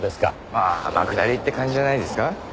まあ天下りって感じじゃないですか？